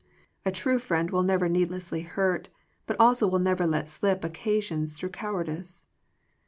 A true friend will never need lessly hurt, but also will never let slip oc casions through cowardice.